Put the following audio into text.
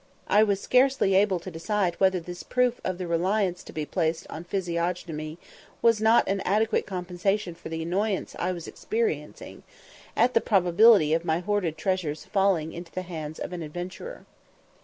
I was scarcely able to decide whether this proof of the reliance to be placed upon physiognomy was not an adequate compensation for the annoyance I was experiencing, at the probability of my hoarded treasures falling into the hands of an adventurer.